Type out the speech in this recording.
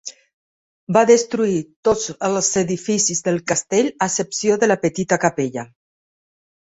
Va destruir tots els edificis del castell a excepció de la petita capella.